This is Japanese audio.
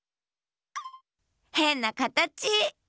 へんなかたち！